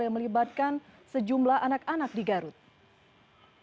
yang melibatkan sejumlah anak anak di garut